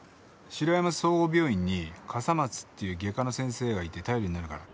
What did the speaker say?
白山総合病院に笠松っていう外科の先生がいて頼りになるから。